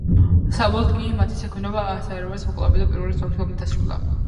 საბოლოოდ კი მათი საქმიანობა სარაევოს მკვლელობითა და პირველი მსოფლიო ომით დასრულდა.